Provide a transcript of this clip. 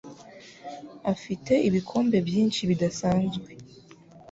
afite ibikombe byinshi bidasanzwe.